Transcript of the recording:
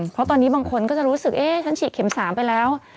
เพราะตอนนี้บางคนก็จะรู้สึกเอ๊ะฉันฉีดเข็ม๓ไปแล้ว